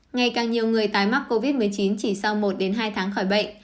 ngày càng nhiều người tái mắc covid một mươi chín chỉ sau một hai tháng khỏi bệnh